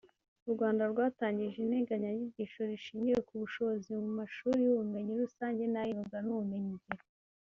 u Rwanda rwatangije integanyanyigisho ishingiye ku bushobozi mu mashuri y’ubumenyi rusange n’ay’imyuga n’ubumenyi ngiro